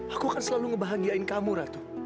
aku akan selalu ngebahagiain kamu ratu